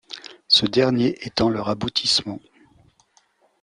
Ce dernier étant leur aboutissement.